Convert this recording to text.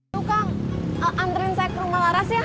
aduh kak anterin saya ke rumah laras ya